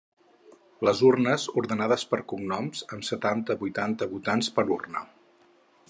Les urnes ordenades per cognoms amb setanta-vuitanta votants per urna.